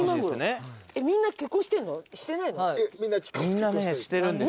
みんなしてるんですよ。